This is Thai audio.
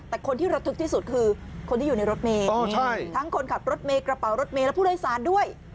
แต่คนที่ระทึกที่สุดคือคนที่อยู่ในรถเมย์ทั้งคนขับรถเมย์กระเป๋ารถเมย์และผู้โดยสารด้วย